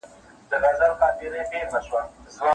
جام دي کم ساقي دي کمه بنګ دي کم